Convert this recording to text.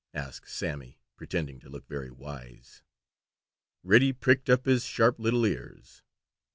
asked Sammy, pretending to look very wise. Reddy pricked up his sharp little ears.